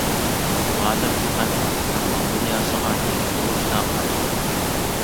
ھازىر پەقەت ئاتىسىنىڭ مال دۇنياسىغا ئىگە بولۇشلا قاپتۇ.